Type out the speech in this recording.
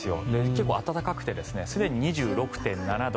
結構暖かくてすでに２６．７度。